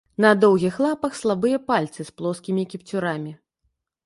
На доўгіх лапах слабыя пальцы з плоскімі кіпцюрамі.